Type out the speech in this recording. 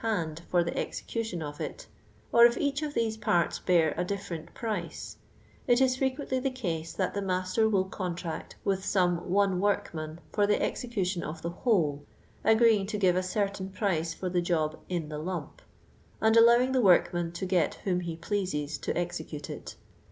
ind for tlie execution uf it, or if each of these piirts bear a different price, it is frequently the case that the m:uter will contract with some one workman for the execution of the whole, agreeing to give a certain price for the job ''in the lump," and allowing the workman to get whom he pleases to execute it.